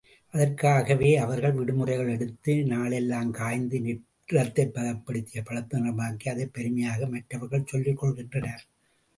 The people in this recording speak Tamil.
அதற்காகவே அவர்கள் விடுமுறைகள் எடுத்து நாளெல்லாம் காய்ந்து நிறத்தைப் பதப்படுத்திப் பழுப்பு நிறமாக்கி அதைப் பெருமையாக மற்றவர்களுக்குச் சொல்லிக்கொள்கின்றனர்.